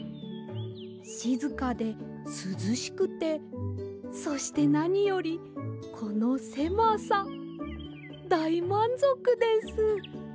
しずかですずしくてそしてなによりこのせまさだいまんぞくです。